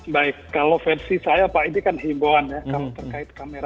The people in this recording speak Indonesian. baik kalau versi saya pak ini kan himbauan ya kalau terkait kamera